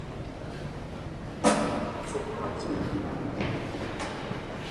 清代隶广肇罗道。